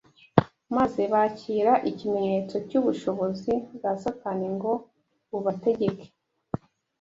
maze bakira ikimenyetso cy’ubushobozi bwa Satani ngo bubategeke.